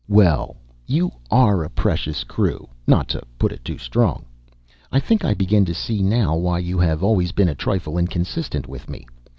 "Well, you are a precious crew, not to put it too strong. I think I begin to see now why you have always been a trifle inconsistent with me.